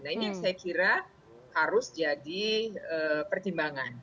nah ini yang saya kira harus jadi pertimbangan